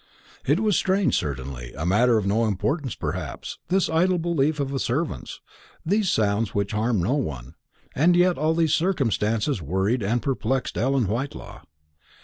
It was strange, certainly; a matter of no importance, perhaps, this idle belief of a servant's, these sounds which harmed no one; and yet all these circumstances worried and perplexed Ellen Whitelaw.